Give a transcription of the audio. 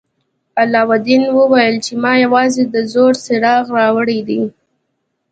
علاوالدین وویل چې ما یوازې دا زوړ څراغ راوړی دی.